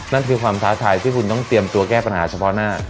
นั่นคือความท้าทายที่คุณต้องเตรียมตัวแก้ปัญหาเฉพาะหน้า